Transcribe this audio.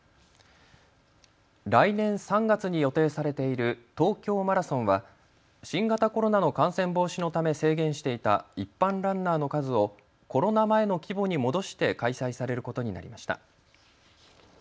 来年３月に予定されている東京マラソンは新型コロナの感染防止のため制限していた一般ランナーの数をコロナ前の規模に戻して開催されることになりました。